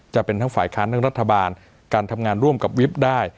จะเป็นทั้งฝ่ายค้านทั้งรัฐบาลการทำงานร่วมกับวิบได้